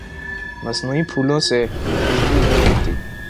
مصنوعی پھولوں سے خوشبو نہیں آتی